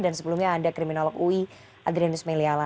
dan sebelumnya ada kriminolog ui adrianus meliala